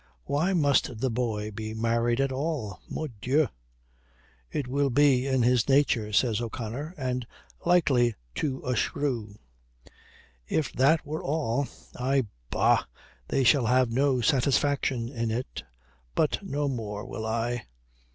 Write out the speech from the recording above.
Why must the boy be married at all, mordieu?" "It will be in his nature," says O'Connor. "And likely to a shrew." "If that were all! Ah, bah, they shall have no satisfaction in it. But no more will I..."